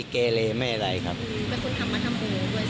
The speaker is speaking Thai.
คือเป็นคนทำมาทำโบด้วยใช่ไหมครับ